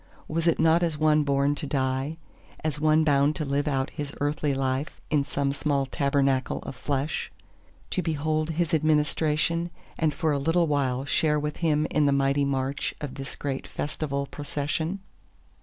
Was it not as one born to die; as one bound to live out his earthly life in some small tabernacle of flesh; to behold His administration, and for a little while share with Him in the mighty march of this great Festival Procession?